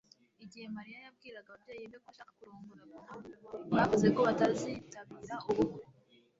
Igihe Mariya yabwiraga ababyeyi be ko ashaka kurongora Bobo bavuze ko batazitabira ubukwe